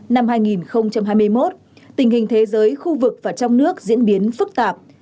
năm hai nghìn hai mươi một tình hình thế giới khu vực và trong nước diễn biến phức tạp